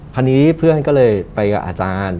พอนี้เพื่อนก็เลยไปกับอาจารย์